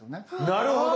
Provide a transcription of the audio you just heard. なるほど。